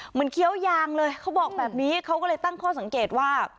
เคี้ยวยางเลยเขาบอกแบบนี้เขาก็เลยตั้งข้อสังเกตว่า